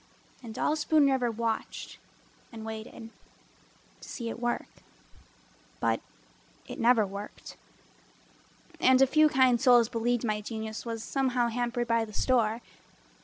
And all Spoon River watched and waited To see it work, but it never worked. And a few kind souls believed my genius Was somehow hampered by the store.